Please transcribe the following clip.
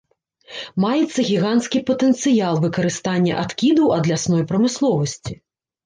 Маецца гіганцкі патэнцыял выкарыстання адкідаў ад лясной прамысловасці.